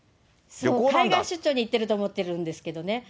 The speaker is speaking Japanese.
そう、海外出張に行ってると思ってるんですけどね。